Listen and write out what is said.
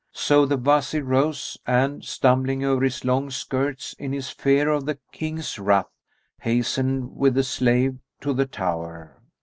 So the Wazir rose and, stumbling over his long skirts, in his fear of the King's wrath, hastened with the slave to the tower.